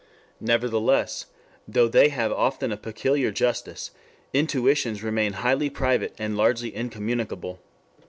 Nevertheless, though they have often a peculiar justice, intuitions remain highly private and largely incommunicable.